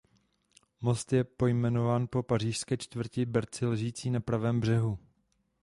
Most je pojmenován po pařížské čtvrti Bercy ležící na pravém břehu.